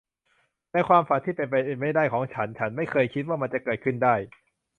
ในความฝันที่เป็นไปไม่ได้ของฉัน ฉันไม่เคยคิดเลยว่ามันจะเกิดขึ้นได้